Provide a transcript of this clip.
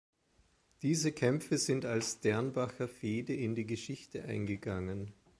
Diese Kämpfe sind als Dernbacher Fehde in die Geschichte eingegangen.